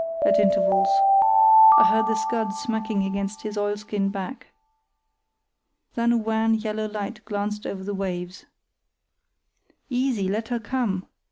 at intervals. I heard the scud smacking against his oilskin back. Then a wan, yellow light glanced over the waves. "Easy! Let her come!"